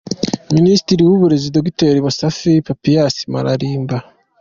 Minisitiri w’Uburezi: Dr Musafili Papias Malimba.